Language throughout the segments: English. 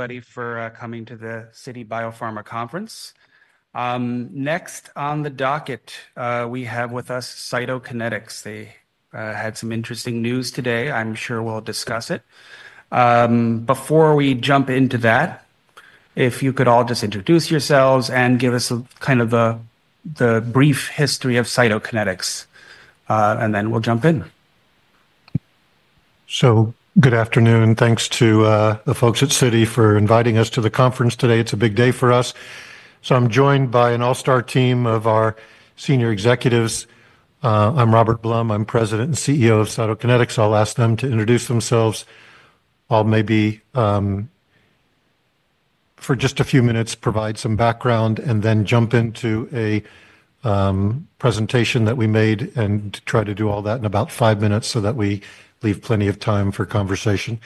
Everybody for coming to the City Bio Pharma Conference. Next on the docket, we have with us Cytokinetics. They had some interesting news today. I'm sure we'll discuss it. Before we jump into that, if you could all just introduce yourselves and give us a kind of the brief history of Cytokinetics, and then we'll jump in. Good afternoon. Thanks to the folks at City for inviting us to the conference today. It's a big day for us. I'm joined by an all-star team of our senior executives. I'm Robert Blum. I'm President and CEO of Cytokinetics. I'll ask them to introduce themselves. I'll maybe for just a few minutes provide some background and then jump into a presentation that we made and try to do all that in about five minutes so that we leave plenty of time for conversation.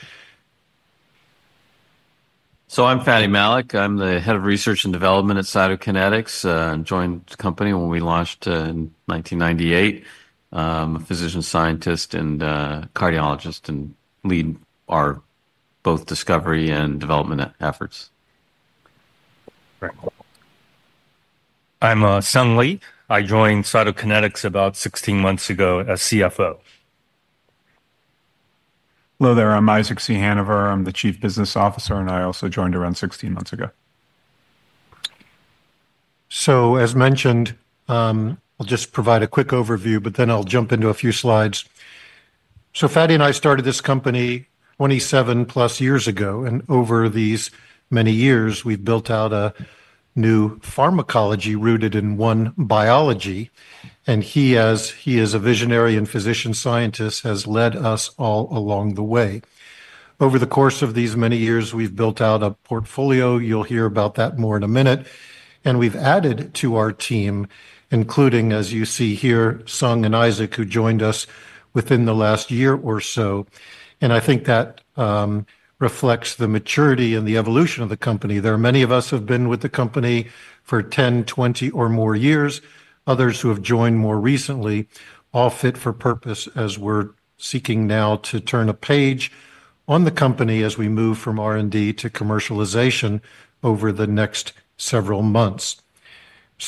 I'm Fady Malik. I'm the Head of Research and Development at Cytokinetics. I joined the company when we launched in 1998. I'm a physician scientist and cardiologist and lead our both discovery and development efforts. I'm Sung Lee. I joined Cytokinetics about 16 months ago as CFO. Hello there. I'm Isaac Ciechanover. I'm the Chief Business Officer, and I also joined around 16 months ago. As mentioned, I'll just provide a quick overview, but then I'll jump into a few slides. Fady and I started this company 27+ years ago, and over these many years, we've built out a new pharmacology rooted in one biology. He, as he is a visionary and physician scientist, has led us all along the way. Over the course of these many years, we've built out a portfolio. You'll hear about that more in a minute. We've added to our team, including, as you see here, Sung and Isaac, who joined us within the last year or so. I think that reflects the maturity and the evolution of the company. There are many of us who have been with the company for 10, 20, or more years. Others who have joined more recently. All fit for purpose as we're seeking now to turn a page on the company as we move from R&D to commercialization over the next several months.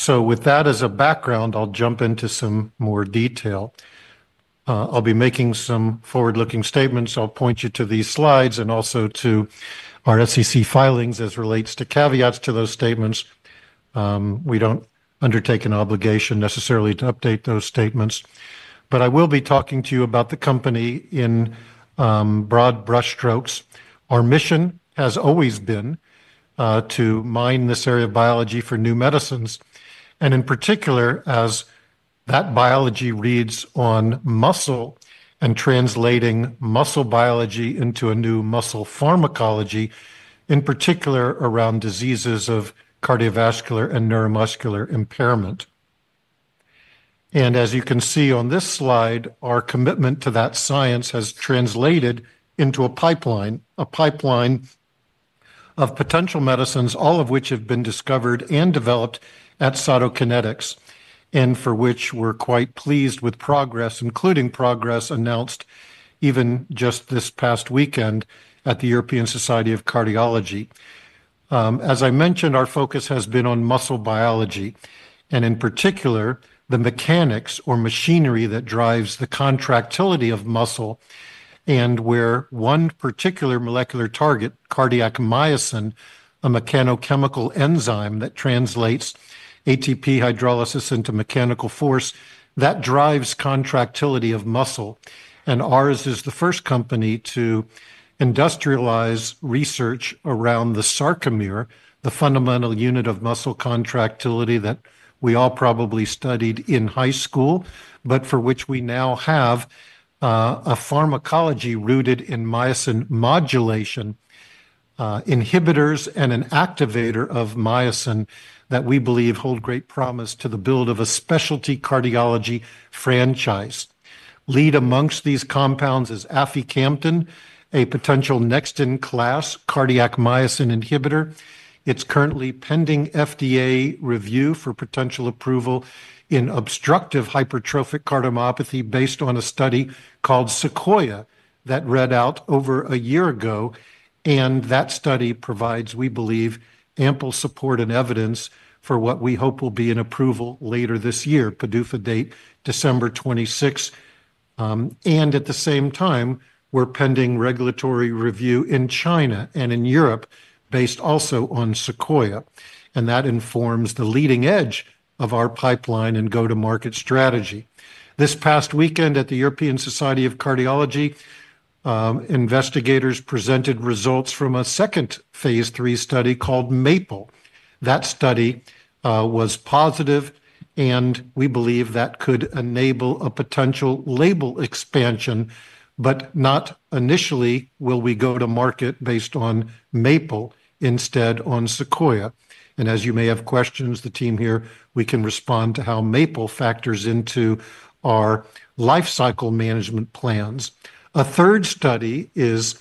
With that as a background, I'll jump into some more detail. I'll be making some forward-looking statements. I'll point you to these slides and also to our SEC filings as it relates to caveats to those statements. We don't undertake an obligation necessarily to update those statements. I will be talking to you about the company in broad brush strokes. Our mission has always been to mine this area of biology for new medicines. In particular, as that biology reads on muscle and translating muscle biology into a new muscle pharmacology, in particular around diseases of cardiovascular and neuromuscular impairment. As you can see on this slide, our commitment to that science has translated into a pipeline, a pipeline of potential medicines, all of which have been discovered and developed at Cytokinetics and for which we're quite pleased with progress, including progress announced even just this past weekend at the European Society of Cardiology. As I mentioned, our focus has been on muscle biology, in particular, the mechanics or machinery that drives the contractility of muscle and where one particular molecular target, cardiac myosin, a mechanical chemical enzyme that translates ATP hydrolysis into mechanical force that drives contractility of muscle. Ours is the first company to industrialize research around the sarcomere, the fundamental unit of muscle contractility that we all probably studied in high school, but for which we now have a pharmacology rooted in myosin modulation, inhibitors, and an activator of myosin that we believe hold great promise to the build of a specialty cardiology franchise. Lead amongst these compounds is aficamten, a potential next-in-class cardiac myosin inhibitor. It's currently pending FDA review for potential approval in obstructive hypertrophic cardiomyopathy based on a study called SEQUOIA that read out over a year ago. That study provides, we believe, ample support and evidence for what we hope will be an approval later this year, PDUFA date December 26. At the same time, we're pending regulatory review in China and in Europe based also on SEQUOIA. That informs the leading edge of our pipeline and go-to-market strategy. This past weekend at the European Society of Cardiology, investigators presented results from a second phase III study called MAPLE. That study was positive, and we believe that could enable a potential label expansion, but not initially will we go to market based on MAPLE, instead on SEQUOIA. As you may have questions, the team here, we can respond to how MAPLE factors into our lifecycle management plans. A third study is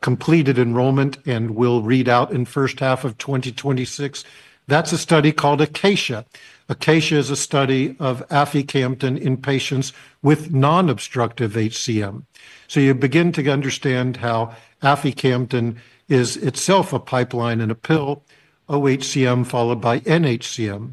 completed enrollment and will read out in the first half of 2026. That's a study called ACACIA. ACACIA is a study of aficamten in patients with non-obstructive HCM. You begin to understand how aficamten is itself a pipeline-in-a-pill, oHCM followed by nHCM,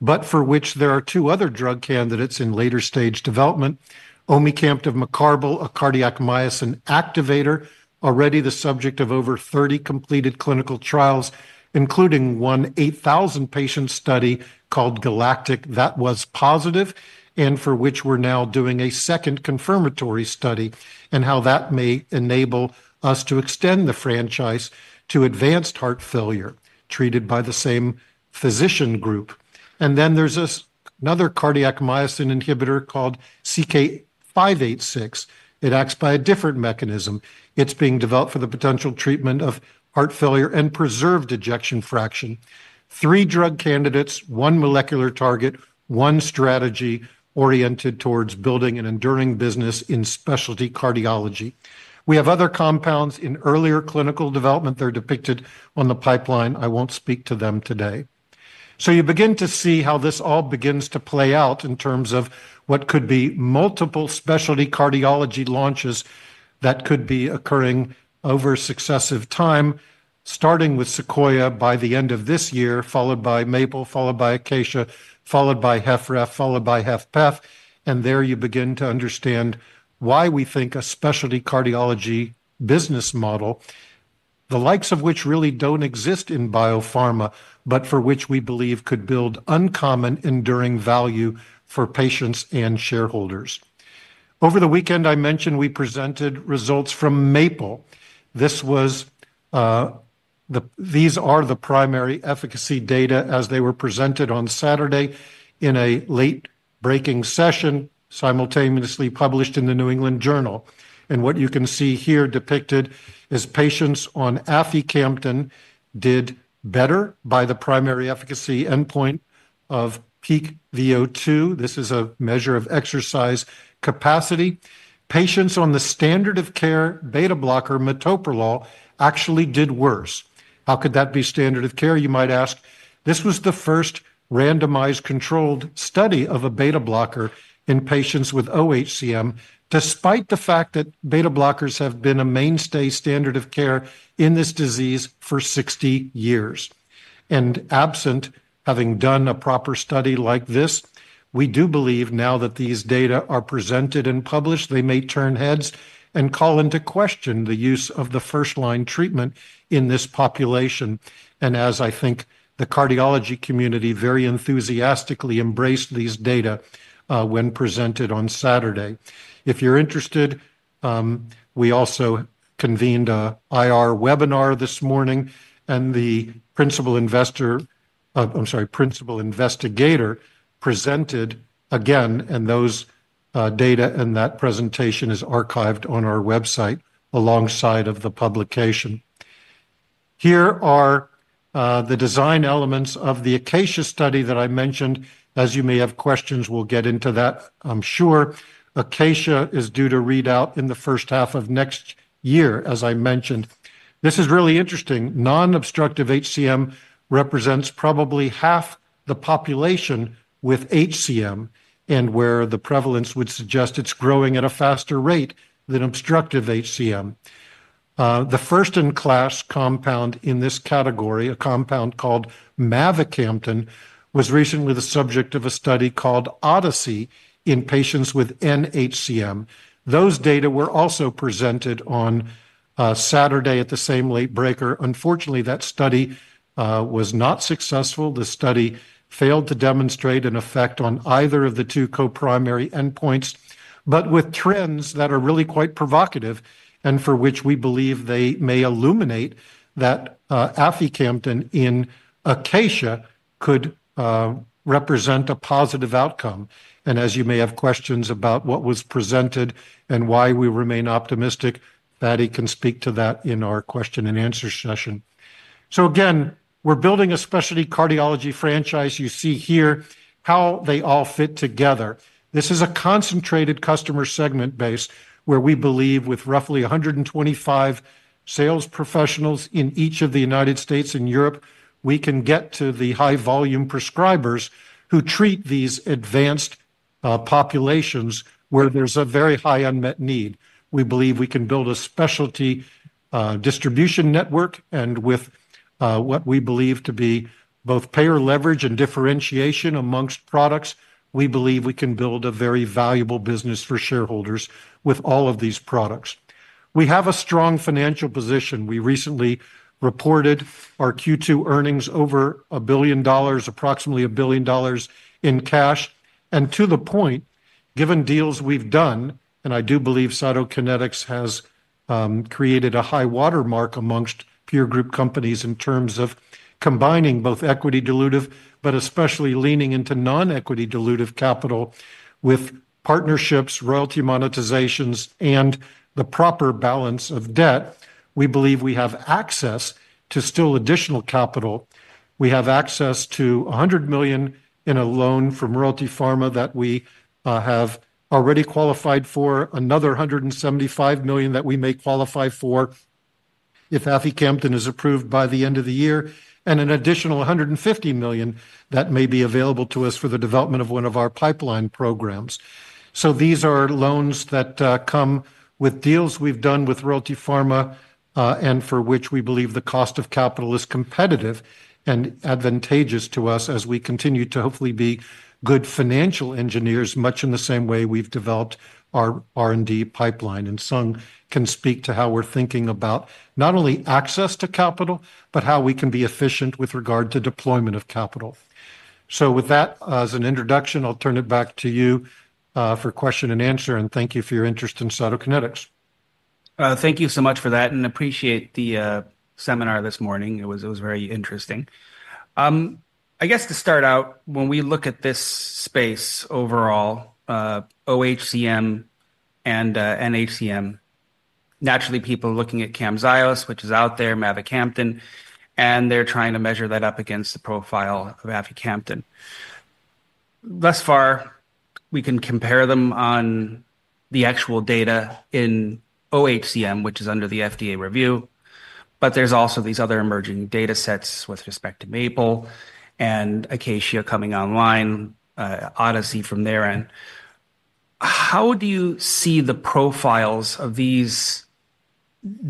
but for which there are two other drug candidates in later stage development. Omecamtiv mecarbil, a cardiac myosin activator, already the subject of over 30 completed clinical trials, including one 8,000 patient study called GALACTIC that was positive and for which we're now doing a second confirmatory study and how that may enable us to extend the franchise to advanced heart failure treated by the same physician group. There's another cardiac myosin inhibitor called CK-586. It acts by a different mechanism. It's being developed for the potential treatment of heart failure with preserved ejection fraction. Three drug candidates, one molecular target, one strategy oriented towards building an enduring business in specialty cardiology. We have other compounds in earlier clinical development. They're depicted on the pipeline. I won't speak to them today. You begin to see how this all begins to play out in terms of what could be multiple specialty cardiology launches that could be occurring over successive time, starting with SEQUOIA by the end of this year, followed by MAPLE, followed by ACACIA, followed by HFrEF, followed by HFpEF, and there you begin to understand why we think a specialty cardiology business model, the likes of which really don't exist in biopharma, but for which we believe could build uncommon enduring value for patients and shareholders. Over the weekend, I mentioned we presented results from MAPLE. These are the primary efficacy data as they were presented on Saturday in a late breaking session, simultaneously published in the New England Journal. What you can see here depicted is patients on aficamten did better by the primary efficacy endpoint of peak VO2. This is a measure of exercise capacity. Patients on the standard of care beta-blocker, metoprolol, actually did worse. How could that be standard of care, you might ask? This was the first randomized controlled study of a beta-blocker in patients with oHCM, despite the fact that beta-blockers have been a mainstay standard of care in this disease for 60 years. Absent having done a proper study like this, we do believe now that these data are presented and published, they may turn heads and call into question the use of the first-line treatment in this population. I think the cardiology community very enthusiastically embraced these data when presented on Saturday. If you're interested, we also convened an IR webinar this morning, and the principal investigator presented again, and those data in that presentation are archived on our website alongside the publication. Here are the design elements of the ACACIA study that I mentioned. As you may have questions, we'll get into that, I'm sure. ACACIA is due to read out in the first half of next year, as I mentioned. This is really interesting. Non-obstructive HCM represents probably half the population with HCM, and where the prevalence would suggest it's growing at a faster rate than obstructive HCM. The first-in-class compound in this category, a compound called mavacamten, was recently the subject of a study called ODYSSEY in patients with nHCM. Those data were also presented on Saturday at the same late breaker. Unfortunately, that study was not successful. The study failed to demonstrate an effect on either of the two coprimary endpoints, but with trends that are really quite provocative and for which we believe they may illuminate that aficamten in ACACIA could represent a positive outcome. As you may have questions about what was presented and why we remain optimistic, Fady can speak to that in our question and answer session. We are building a specialty cardiology franchise. You see here how they all fit together. This is a concentrated customer segment base where we believe with roughly 125 sales professionals in each of the United States and Europe, we can get to the high-volume prescribers who treat these advanced populations where there's a very high unmet need. We believe we can build a specialty distribution network, and with what we believe to be both payer leverage and differentiation amongst products, we believe we can build a very valuable business for shareholders with all of these products. We have a strong financial position. We recently reported our Q2 earnings, over $1 billion, approximately $1 billion in cash. To the point, given deals we've done, and I do believe Cytokinetics has created a high watermark amongst peer group companies in terms of combining both equity dilutive, but especially leaning into non-equity dilutive capital with partnerships, royalty monetizations, and the proper balance of debt, we believe we have access to still additional capital. We have access to $100 million in a loan from Royalty Pharma that we have already qualified for, another $175 million that we may qualify for if aficamten is approved by the end of the year, and an additional $150 million that may be available to us for the development of one of our pipeline programs. These are loans that come with deals we've done with Royalty Pharma and for which we believe the cost of capital is competitive and advantageous to us as we continue to hopefully be good financial engineers, much in the same way we've developed our R&D pipeline. Sung can speak to how we're thinking about not only access to capital, but how we can be efficient with regard to deployment of capital. With that as an introduction, I'll turn it back to you for question and answer, and thank you for your interest in Cytokinetics. Thank you so much for that, and I appreciate the seminar this morning. It was very interesting. I guess to start out, when we look at this space overall, oHCM and nHCM, naturally people are looking at Ching Jaw, which is out there, mavacamten, and they're trying to measure that up against the profile of aficamten. Thus far, we can compare them on the actual data in oHCM, which is under the FDA review, but there's also these other emerging data sets with respect to MAPLE and ACACIA coming online, ODYSSEY from their end. How do you see the profiles of these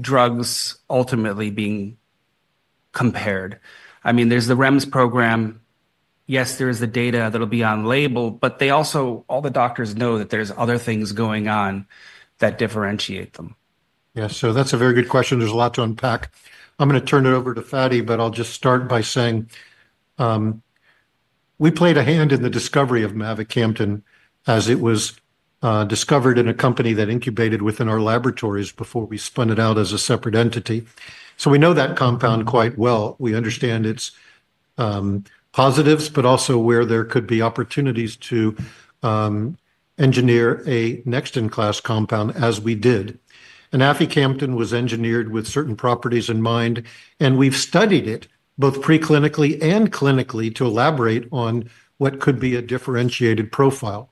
drugs ultimately being compared? I mean, there's the REMS program. Yes, there is the data that'll be on label, but they also, all the doctors know that there's other things going on that differentiate them. Yeah, that's a very good question. There's a lot to unpack. I'm going to turn it over to Fady, but I'll just start by saying we played a hand in the discovery of mavacamten as it was discovered in a company that incubated within our laboratories before we spun it out as a separate entity. We know that compound quite well. We understand its positives, but also where there could be opportunities to engineer a next-in-class compound as we did. Aficamten was engineered with certain properties in mind, and we've studied it both preclinically and clinically to elaborate on what could be a differentiated profile.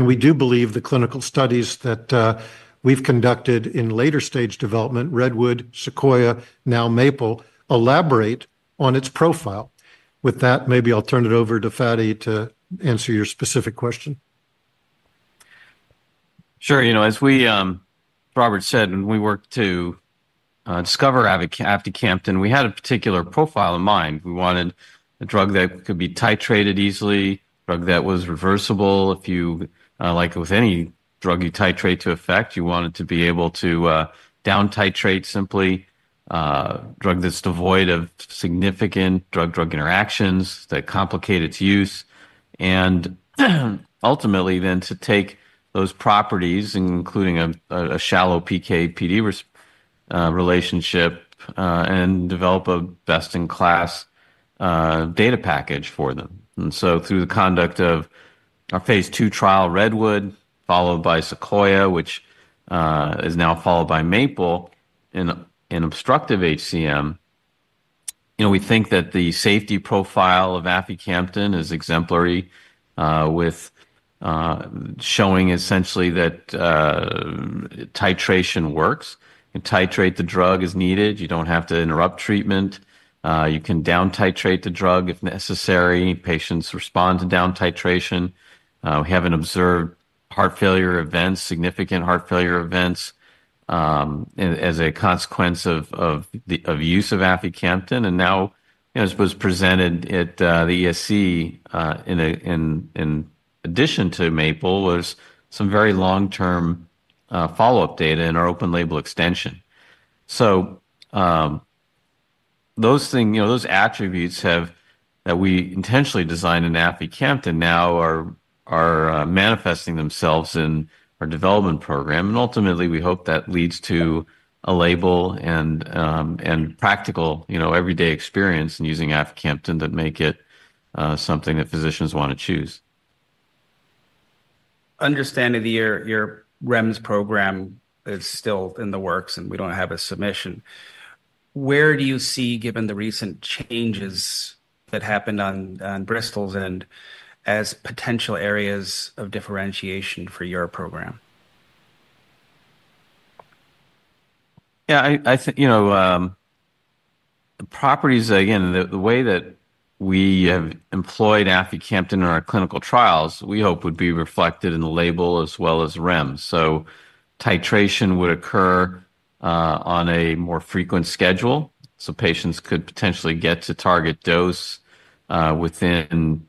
We do believe the clinical studies that we've conducted in later stage development, REDWOOD, SEQUOIA, now MAPLE, elaborate on its profile. With that, maybe I'll turn it over to Fady to answer your specific question. Sure. You know, as Robert said, and we worked to discover aficamten, we had a particular profile in mind. We wanted a drug that could be titrated easily, a drug that was reversible. If you like with any drug you titrate to effect, you want it to be able to down-titrate simply, a drug that's devoid of significant drug-drug interactions that complicate its use. Ultimately, to take those properties, including a shallow PK/PD relationship, and develop a best-in-class beta package for them. Through the conduct of our phase II trial, REDWOOD, followed by SEQUOIA, which is now followed by MAPLE in obstructive HCM, we think that the safety profile of aficamten is exemplary, with showing essentially that titration works. You can titrate the drug as needed. You don't have to interrupt treatment. You can down-titrate the drug if necessary. Patients respond to down-titration. We haven't observed heart failure events, significant heart failure events, as a consequence of the use of aficamten. As was presented at the ESC, in addition to MAPLE, was some very long-term follow-up data in our open label extension. Those things, those attributes that we intentionally designed in aficamten now are manifesting themselves in our development program. Ultimately, we hope that leads to a label and practical, everyday experience in using aficamten that make it something that physicians want to choose. Understanding that your REMS program is still in the works and we don't have a submission, where do you see, given the recent changes that happened on Bristol 's end, as potential areas of differentiation for your program? Yeah, I think, you know, the properties, again, the way that we have employed aficamten in our clinical trials, we hope would be reflected in the label as well as REMS. Titration would occur on a more frequent schedule, so patients could potentially get to target dose within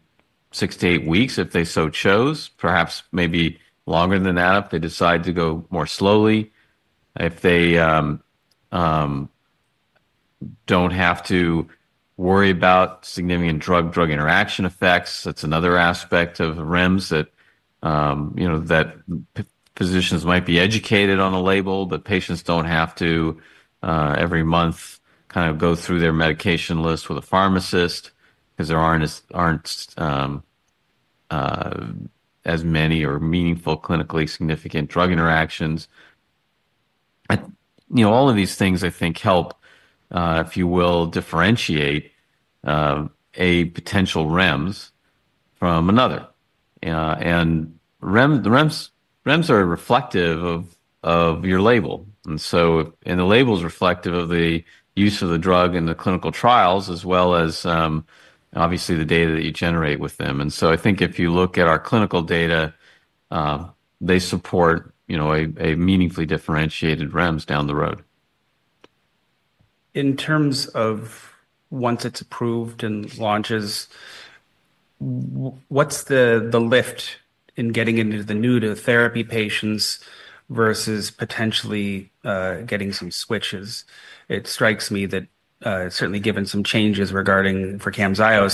six to eight weeks if they so chose, perhaps maybe longer than that if they decide to go more slowly, if they don't have to worry about significant drug-drug interaction effects. That's another aspect of REMS that physicians might be educated on the label, but patients don't have to every month kind of go through their medication list with a pharmacist because there aren't as many or meaningful clinically significant drug interactions. All of these things I think help, if you will, differentiate a potential REMS from another. The REMS are reflective of your label, and the label is reflective of the use of the drug in the clinical trials as well as obviously the data that you generate with them. I think if you look at our clinical data, they support a meaningfully differentiated REMS down the road. In terms of once it's approved and launches, what's the lift in getting into the new to therapy patients versus potentially getting some switches? It strikes me that certainly given some changes regarding for Ching Jaw,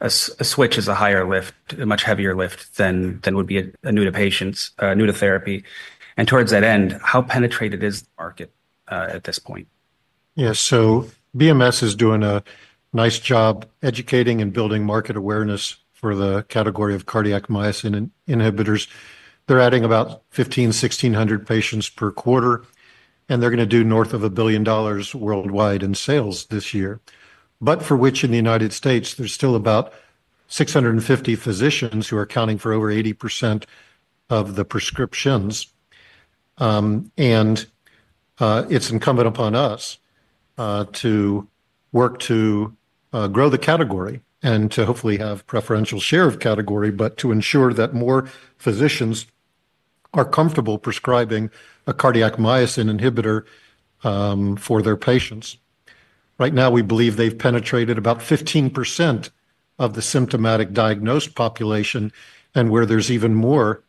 a switch is a higher lift, a much heavier lift than would be a new to patients, a new to therapy. Towards that end, how penetrated is the market at this point? Yeah, so BMS is doing a nice job educating and building market awareness for the category of cardiac myosin inhibitors. They're adding about 1,500, 1,600 patients per quarter, and they're going to do north of $1 billion worldwide in sales this year. For which in the U.S., there's still about 650 physicians who are accounting for over 80% of the prescriptions. It's incumbent upon us to work to grow the category and to hopefully have preferential share of the category, but to ensure that more physicians are comfortable prescribing a cardiac myosin inhibitor for their patients. Right now, we believe they've penetrated about 15% of the symptomatic diagnosed population and where there's even more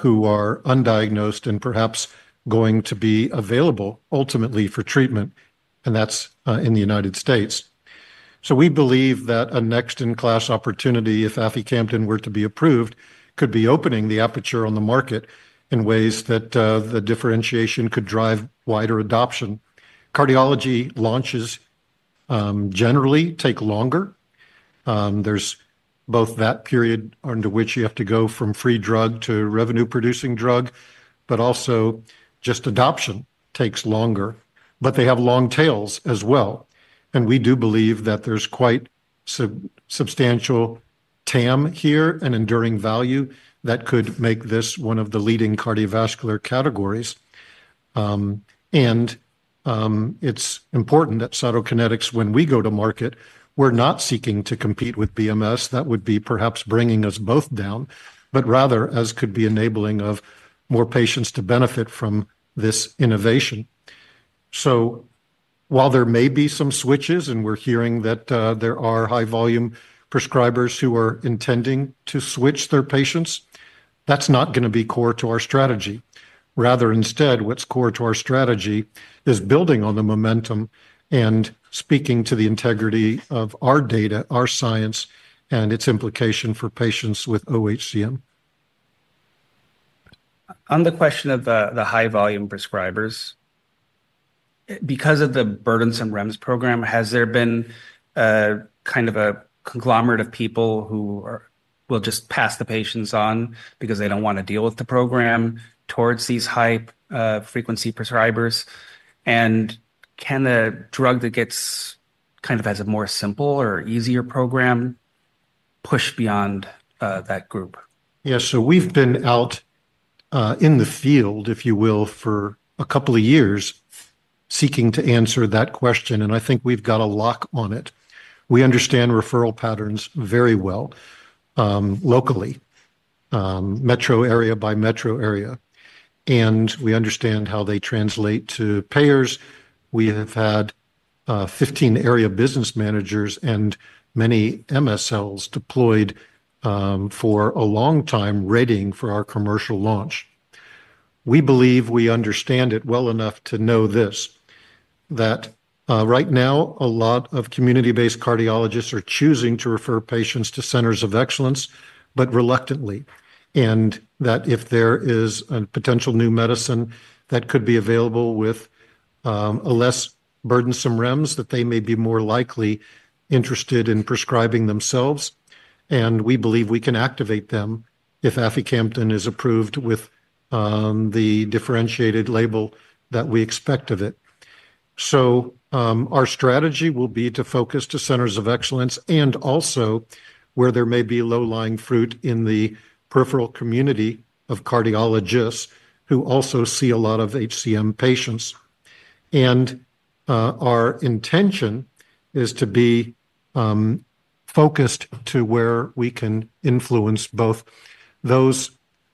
who are undiagnosed and perhaps going to be available ultimately for treatment, and that's in the U.S. We believe that a next-in-class opportunity, if aficamten were to be approved, could be opening the aperture on the market in ways that the differentiation could drive wider adoption. Cardiology launches generally take longer. There's both that period under which you have to go from free drug to revenue-producing drug, but also just adoption takes longer, but they have long tails as well. We do believe that there's quite a substantial TAM here and enduring value that could make this one of the leading cardiovascular categories. It's important that Cytokinetics, when we go to market, we're not seeking to compete with BMS. That would be perhaps bringing us both down, but rather as could be enabling of more patients to benefit from this innovation. While there may be some switches and we're hearing that there are high-volume prescribers who are intending to switch their patients, that's not going to be core to our strategy. Rather, instead, what's core to our strategy is building on the momentum and speaking to the integrity of our data, our science, and its implication for patients with obstructive hypertrophic cardiomyopathy. On the question of the high-volume prescribers, because of the burdensome REMS program, has there been kind of a conglomerate of people who will just pass the patients on because they don't want to deal with the program toward these high-frequency prescribers? Can the drug that gets kind of has a more simple or easier program push beyond that group? Yeah, so we've been out in the field, if you will, for a couple of years seeking to answer that question, and I think we've got a lock on it. We understand referral patterns very well locally, metro area by metro area, and we understand how they translate to payers. We have had 15 Area Business Managers and many MSLs deployed for a long time readying for our commercial launch. We believe we understand it well enough to know this, that right now a lot of community-based cardiologists are choosing to refer patients to centers of excellence, but reluctantly, and that if there is a potential new medicine that could be available with a less burdensome REMS, that they may be more likely interested in prescribing themselves. We believe we can activate them if aficamten is approved with the differentiated label that we expect of it. Our strategy will be to focus to centers of excellence and also where there may be low-lying fruit in the peripheral community of cardiologists who also see a lot of HCM patients. Our intention is to be focused to where we can influence both those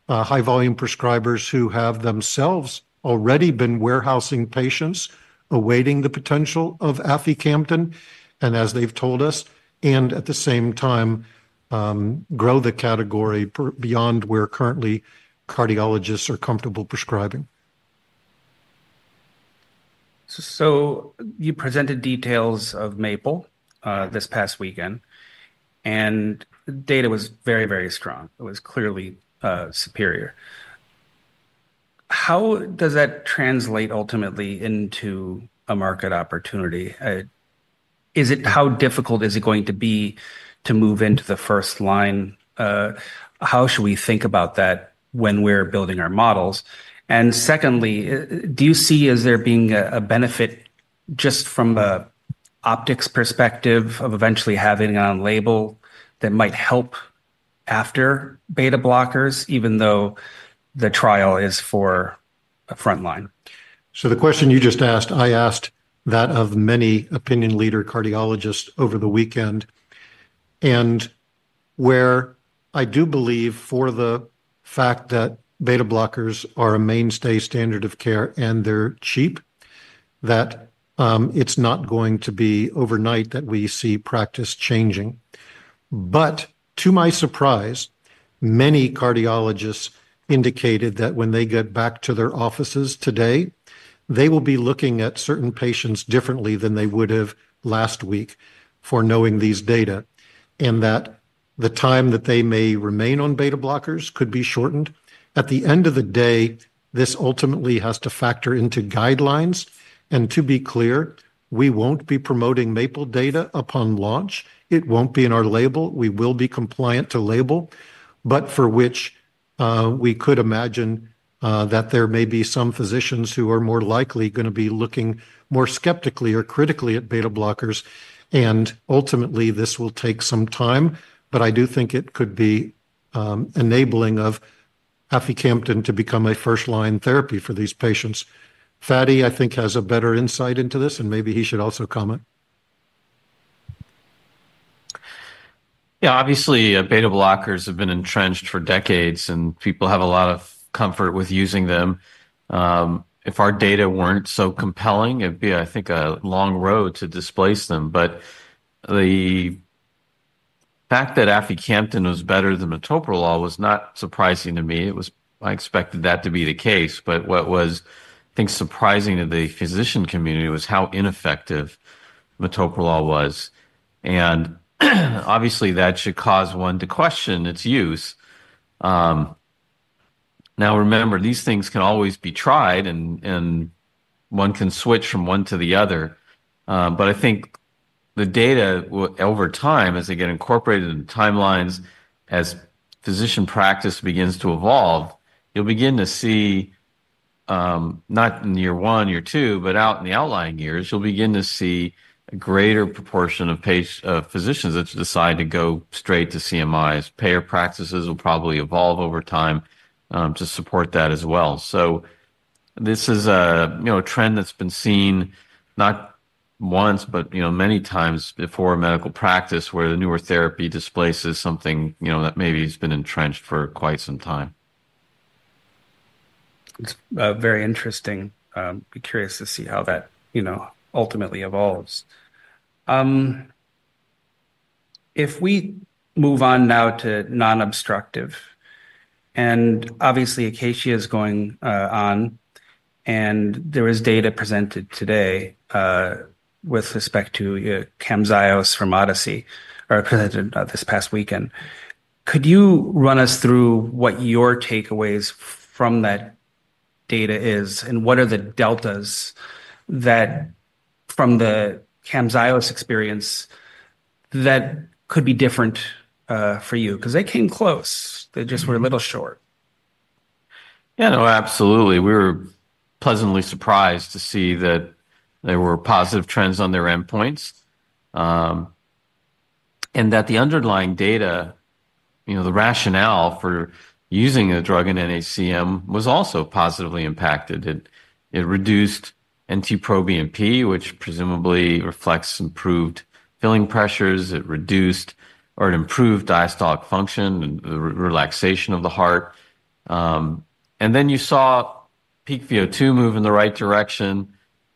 high-volume prescribers who have themselves already been warehousing patients awaiting the potential of aficamten, as they've told us, and at the same time grow the category beyond where currently cardiologists are comfortable prescribing. You presented details of MAPLE this past weekend, and the data was very, very strong. It was clearly superior. How does that translate ultimately into a market opportunity? How difficult is it going to be to move into the first line? How should we think about that when we're building our models? Secondly, do you see as there being a benefit just from an optics perspective of eventually having on label that might help after beta-blockers, even though the trial is for a front line? The question you just asked, I asked that of many opinion leader cardiologists over the weekend. I do believe for the fact that beta-blockers are a mainstay standard of care and they're cheap, that it's not going to be overnight that we see practice changing. To my surprise, many cardiologists indicated that when they get back to their offices today, they will be looking at certain patients differently than they would have last week for knowing these data, and that the time that they may remain on beta-blockers could be shortened. At the end of the day, this ultimately has to factor into guidelines. To be clear, we won't be promoting MAPLE data upon launch. It won't be in our label. We will be compliant to label, but for which we could imagine that there may be some physicians who are more likely going to be looking more skeptically or critically at beta-blockers. Ultimately, this will take some time, but I do think it could be enabling of aficamten to become a first-line therapy for these patients. Fady, I think, has a better insight into this, and maybe he should also comment. Yeah, obviously, beta-blockers have been entrenched for decades, and people have a lot of comfort with using them. If our data weren't so compelling, it'd be, I think, a long road to displace them. The fact that aficamten was better than metoprolol was not surprising to me. I expected that to be the case. What was, I think, surprising to the physician community was how ineffective metoprolol was. Obviously, that should cause one to question its use. Now, remember, these things can always be tried, and one can switch from one to the other. I think the data over time, as they get incorporated into timelines, as physician practice begins to evolve, you'll begin to see, not in year one, year two, but out in the outlying years, you'll begin to see a greater proportion of physicians that decide to go straight to cardiac myosin inhibitors. Payer practices will probably evolve over time to support that as well. This is a trend that's been seen not once, but many times before in medical practice where the newer therapy displaces something that maybe has been entrenched for quite some time. It's very interesting. I'm curious to see how that ultimately evolves. If we move on now to non-obstructive, and obviously ACACIA is going on, and there is data presented today with respect to Ching Jaw from ODYSSEY or presented this past weekend, could you run us through what your takeaways from that data are and what are the deltas that from the Ching Jaw experience that could be different for you? Because they came close. They just were a little short. Yeah, no, absolutely. We were pleasantly surprised to see that there were positive trends on their endpoints. The underlying data, you know, the rationale for using a drug in nHCM was also positively impacted. It reduced NT-proBNP, which presumably reflects improved filling pressures. It reduced or improved diastolic function and the relaxation of the heart. You saw peak VO2 move in the right direction.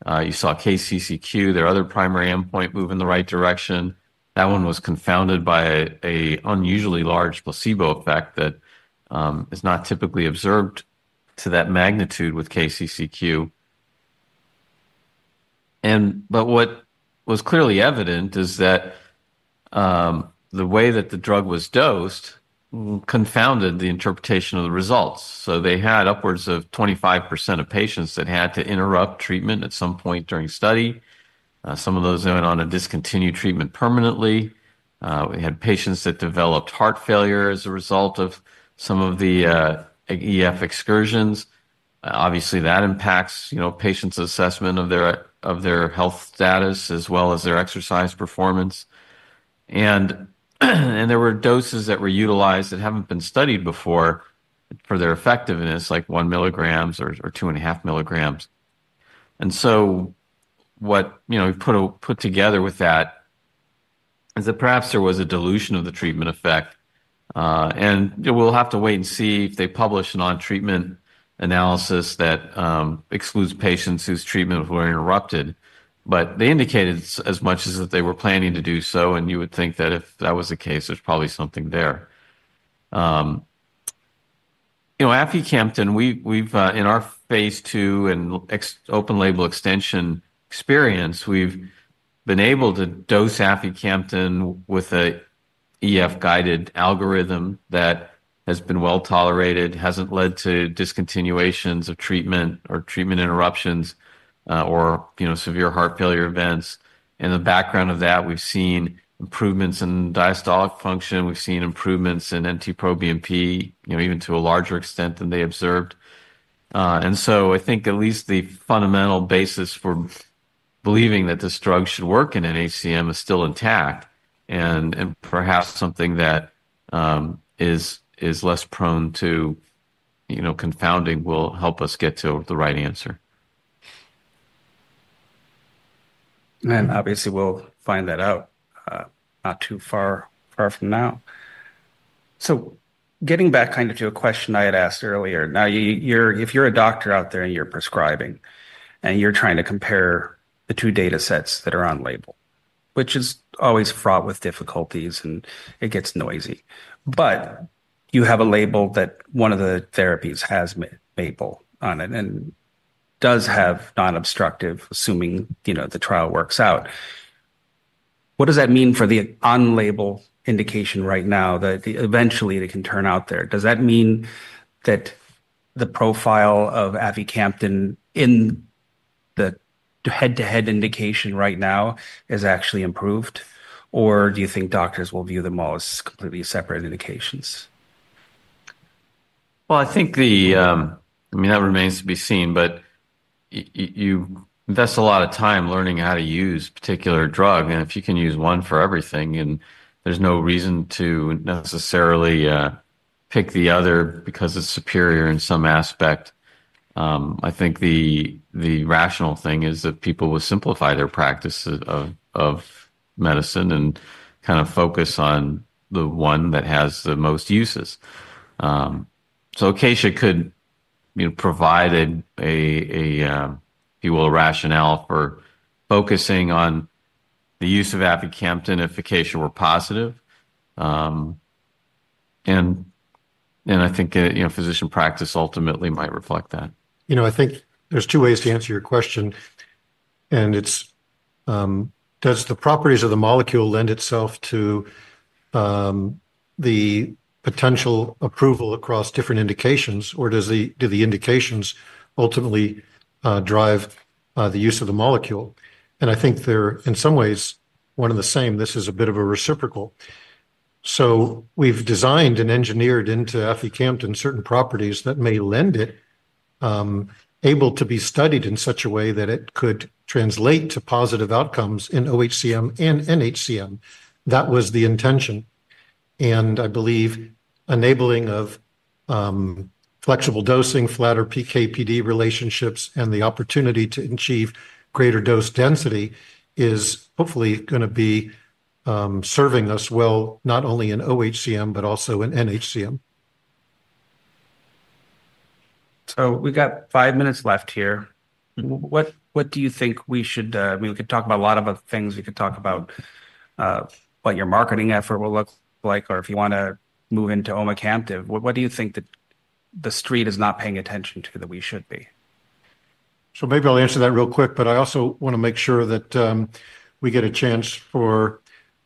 You saw KCCQ, their other primary endpoint, move in the right direction. That one was confounded by an unusually large placebo effect that is not typically observed to that magnitude with KCCQ. What was clearly evident is that the way that the drug was dosed confounded the interpretation of the results. They had upwards of 25% of patients that had to interrupt treatment at some point during study. Some of those went on and discontinued treatment permanently. We had patients that developed heart failure as a result of some of the EF excursions. Obviously, that impacts patients' assessment of their health status as well as their exercise performance. There were doses that were utilized that haven't been studied before for their effectiveness, like 1 mg or 2.5 mg. What we put together with that is that perhaps there was a dilution of the treatment effect. We'll have to wait and see if they publish a non-treatment analysis that excludes patients whose treatment were interrupted. They indicated as much as that they were planning to do so, and you would think that if that was the case, there's probably something there. You know, aficamten, we've in our phase II and open label extension experience, we've been able to dose aficamten with an EF-guided algorithm that has been well tolerated, hasn't led to discontinuations of treatment or treatment interruptions or severe heart failure events. In the background of that, we've seen improvements in diastolic function. We've seen improvements in NT-proBNP, even to a larger extent than they observed. I think at least the fundamental basis for believing that this drug should work in nHCM is still intact. Perhaps something that is less prone to confounding will help us get to the right answer. Obviously, we'll find that out not too far from now. Getting back kind of to a question I had asked earlier, if you're a doctor out there and you're prescribing and you're trying to compare the two data sets that are on label, which is always fraught with difficulties and it gets noisy, but you have a label that one of the therapies has MAPLE on it and does have non-obstructive, assuming the trial works out, what does that mean for the on-label indication right now that eventually it can turn out there? Does that mean that the profile of aficamten in the head-to-head indication right now is actually improved, or do you think doctors will view them all as completely separate indications? I think that remains to be seen, but you invest a lot of time learning how to use a particular drug. If you can use one for everything, then there's no reason to necessarily pick the other because it's superior in some aspect. I think the rational thing is that people will simplify their practice of medicine and kind of focus on the one that has the most uses. ACACIA could provide, if you will, a rationale for focusing on the use of aficamten if ACACIA were positive. I think physician practice ultimately might reflect that. I think there's two ways to answer your question. It's, does the properties of the molecule lend itself to the potential approval across different indications, or do the indications ultimately drive the use of the molecule? I think they're, in some ways, one and the same. This is a bit of a reciprocal. We've designed and engineered into aficamten certain properties that may lend it, able to be studied in such a way that it could translate to positive outcomes in oHCM and nHCM. That was the intention. I believe enabling of flexible dosing, flatter PK/PD relationships, and the opportunity to achieve greater dose density is hopefully going to be serving us well, not only in oHCM but also in nHCM. We've got five minutes left here. What do you think we should, I mean, we could talk about a lot of other things. We could talk about what your marketing effort will look like, or if you want to move into omecamtiv mecarbil, what do you think that the street is not paying attention to that we should be? Maybe I'll answer that real quick, but I also want to make sure that we get a chance for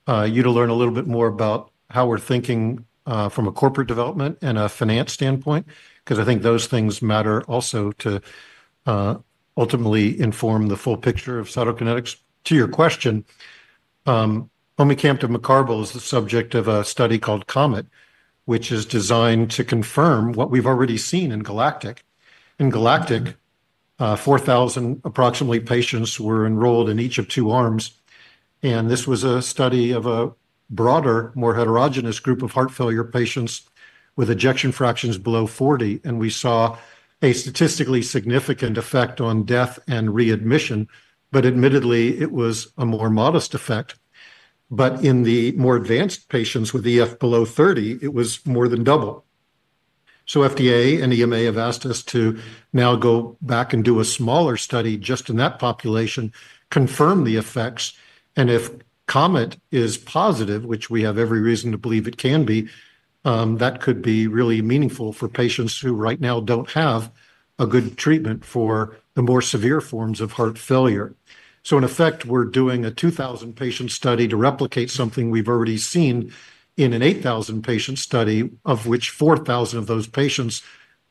you to learn a little bit more about how we're thinking from a corporate development and a finance standpoint, because I think those things matter also to ultimately inform the full picture of Cytokinetics. To your question, omecamtiv mecarbil is the subject of a study called COMET, which is designed to confirm what we've already seen in GALACTIC. In GALACTIC, approximately 4,000 patients were enrolled in each of two arms. This was a study of a broader, more heterogeneous group of heart failure patients with ejection fractions below 40. We saw a statistically significant effect on death and readmission, but admittedly, it was a more modest effect. In the more advanced patients with EF below 30, it was more than double. The FDA and EMA have asked us to now go back and do a smaller study just in that population, confirm the effects. If COMET is positive, which we have every reason to believe it can be, that could be really meaningful for patients who right now don't have a good treatment for the more severe forms of heart failure. In effect, we're doing a 2,000-patient study to replicate something we've already seen in an 8,000-patient study, of which 4,000 of those patients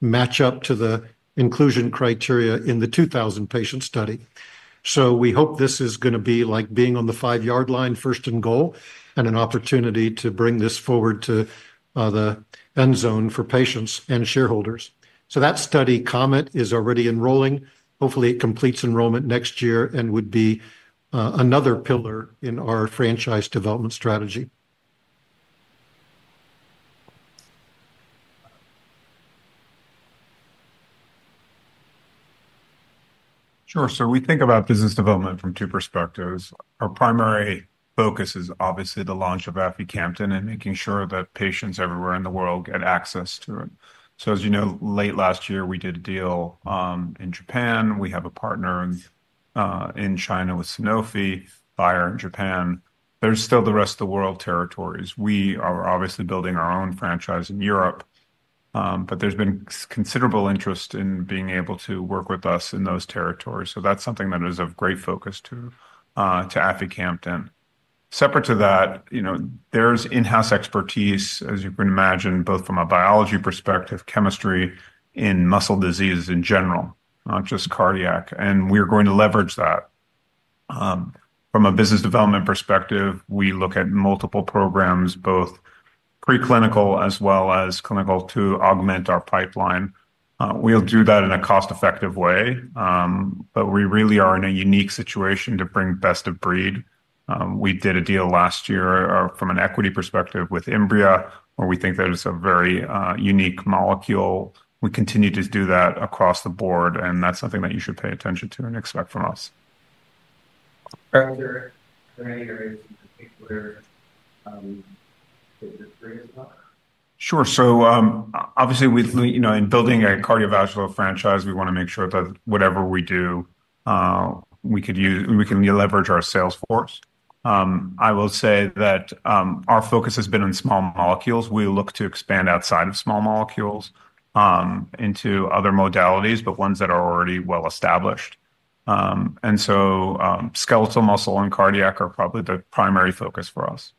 match up to the inclusion criteria in the 2,000-patient study. We hope this is going to be like being on the five-yard line, first and goal, and an opportunity to bring this forward to the end zone for patients and shareholders. That study, COMET, is already enrolling. Hopefully, it completes enrollment next year and would be another pillar in our franchise development strategy. Sure, so we think about business development from two perspectives. Our primary focus is obviously the launch of aficamten and making sure that patients everywhere in the world get access to it. As you know, late last year, we did a deal in Japan. We have a partner in China with Sanofi, Bayer in Japan. There's still the rest of the world territories. We are obviously building our own franchise in Europe, but there's been considerable interest in being able to work with us in those territories. That's something that is of great focus to aficamten. Separate to that, there's in-house expertise, as you can imagine, both from a biology perspective, chemistry, in muscle diseases in general, not just cardiac. We are going to leverage that. From a business development perspective, we look at multiple programs, both preclinical as well as clinical, to augment our pipeline. We'll do that in a cost-effective way, but we really are in a unique situation to bring best of breed. We did a deal last year from an equity perspective with Imbria, where we think that it's a very unique molecule. We continue to do that across the board, and that's something that you should pay attention to and expect from us. Sure, so obviously in building a cardiovascular franchise, we want to make sure that whatever we do, we can leverage our sales force. I will say that our focus has been on small molecules. We look to expand outside of small molecules into other modalities, but ones that are already well established. Skeletal muscle and cardiac are probably the primary focus for us.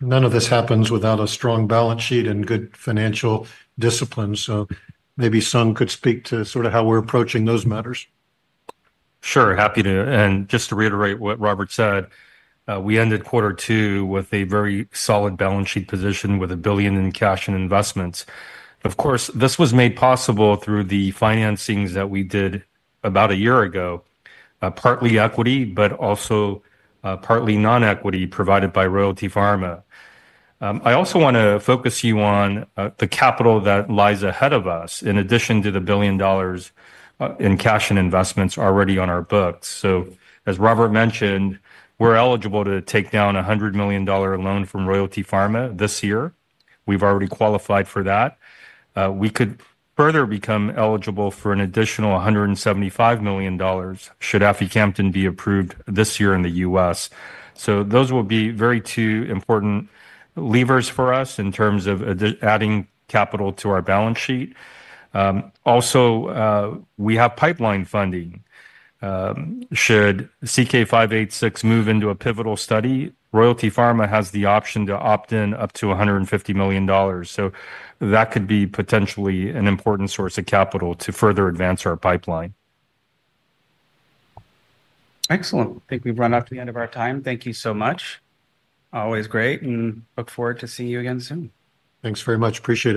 None of this happens without a strong balance sheet and good financial discipline. Maybe Sung could speak to sort of how we're approaching those matters. Sure, happy to. Just to reiterate what Robert said, we ended quarter two with a very solid balance sheet position with $1 billion in cash and investments. Of course, this was made possible through the financings that we did about a year ago, partly equity, but also partly non-dilutive capital provided by Royalty Pharma. I also want to focus you on the capital that lies ahead of us, in addition to the $1 billion in cash and investments already on our books. As Robert mentioned, we're eligible to take down a $100 million loan from Royalty Pharma this year. We've already qualified for that. We could further become eligible for an additional $175 million should aficamten be approved this year in the U.S. Those will be two very important levers for us in terms of adding capital to our balance sheet. Also, we have pipeline funding. Should CK-586 move into a pivotal study, Royalty Pharma has the option to opt in up to $150 million. That could be potentially an important source of capital to further advance our pipeline. Excellent. I think we've run off to the end of our time. Thank you so much. Always great and look forward to seeing you again soon. Thanks very much. Appreciate it.